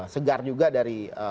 segar juga dari